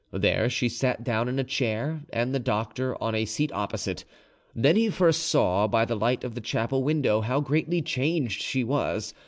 There she sat down in a chair, and the doctor on a seat opposite; then he first saw, by the light of the chapel window, how greatly changed she was.